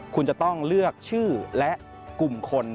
คุณจะต้องเลือกชื่อและกลุ่มคน